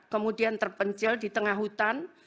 kemudian terpencil di tengah hutan